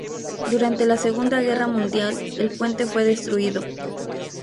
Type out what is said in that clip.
Durante la Segunda Guerra Mundial, el puente fue destruido.